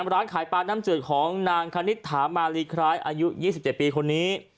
ร้านขายปลาน้ำจืดของนางคณิตถามาลีคล้ายอายุ๒๗ปีคนนี้